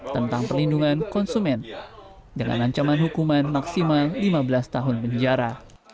tentang perlindungan konsumen dengan ancaman hukuman maksimal lima belas tahun penjara